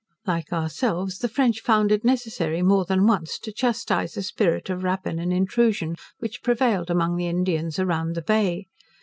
Like ourselves, the French found it necessary, more than once, to chastise a spirit of rapine and intrusion which prevailed among the Indians around the Bay.